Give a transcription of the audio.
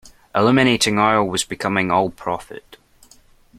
Illuminating oil was becoming all profit.